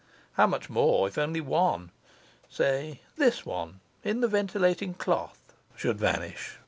How much more, if only one say this one in the ventilating cloth should vanish!